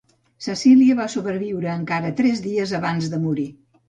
Cecília va sobreviure encara tres dies abans de morir.